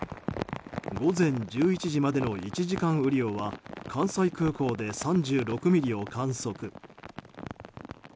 午前１１時までの１時間雨量は関西空港で３６ミリを観測。